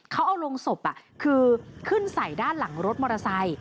เขาเอาโรงศพคือขึ้นใส่ด้านหลังรถมอเตอร์ไซค์